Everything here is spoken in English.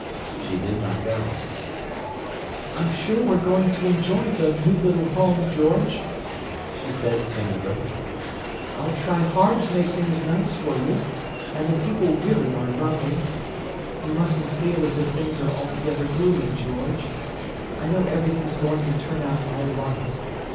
She did not go. "I'm sure we're going to enjoy the new little home, George," she said timidly. "I'll try hard to make things nice for you, and the people really are lovely. You mustn't feel as if things are altogether gloomy, George. I know everything's going to turn out all right.